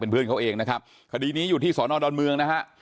เพื่อนเขาเองนะครับคดีนี้อยู่ที่สอนอดอนเมืองนะฮะ